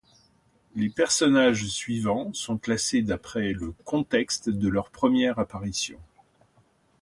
Les personnages suivants sont classés d'après le contexte de leur première apparition.